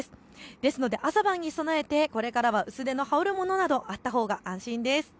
ですので朝晩に備えて薄手の羽織るものがあったほうが安心です。